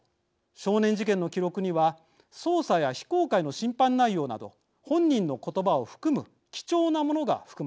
少年事件の記録には捜査や非公開の審判内容など本人の言葉を含む貴重なものが含まれます。